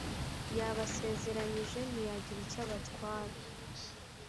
yabasezeranyije ntiyagira icyo abatwara